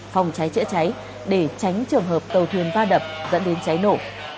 phòng cháy chữa cháy để tránh trường hợp tàu thuyền va đập dẫn đến cháy nổ